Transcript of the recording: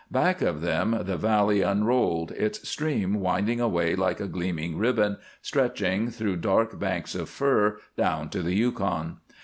Back of them the valley unrolled, its stream winding away like a gleaming ribbon, stretching, through dark banks of fir, down to the Yukon.